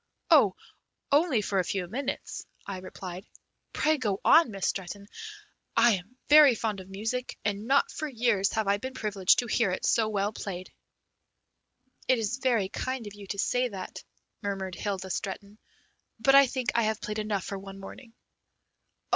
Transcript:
"Oh, only for a few minutes," I replied. "Pray go on, Miss Stretton. I am very fond of music, and not for years have I been privileged to hear it so well played." "It is very kind of you to say that," murmured Hilda Stretton, "but I think I have played enough for one morning."